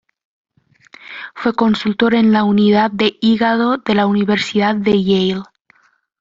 Fue consultor en la Unidad de Hígado de la Universidad de Yale.